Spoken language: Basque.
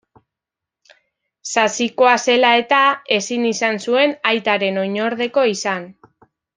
Sasikoa zela eta, ezin izan zuen aitaren oinordeko izan.